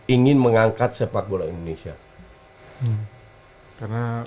ingin mengangkat sepak bola indonesia